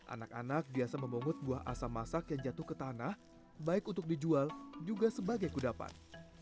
anak anak biasa memungut buah asam masak yang jatuh ke tanah baik untuk dijual juga sebagai kudapan